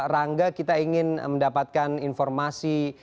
rangga kita ingin mendapatkan informasi